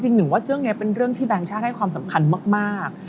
หนึ่งว่าเรื่องนี้เป็นเรื่องที่แบงค์ชาติให้ความสำคัญมาก